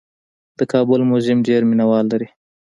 د کابل موزیم ډېر مینه وال لري.